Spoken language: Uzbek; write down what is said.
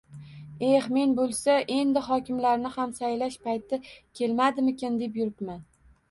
Ex. Men bo‘lsa, endi hokimlarni ham saylash payti kelmadimikin deb yuribman.